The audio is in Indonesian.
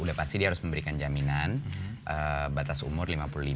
udah pasti dia harus memberikan jaminan batas umur lima puluh lima